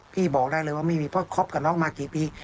พี่บอกได้เลยว่าไม่มีเพราะคบกับน้องมากี่ปี